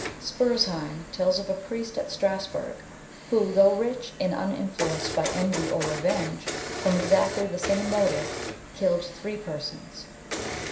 Spurzheim* tells of a priest at Strasbourg, who, though rich, and uninfluenced by envy or revenge, from exactly the same motive, killed three persons.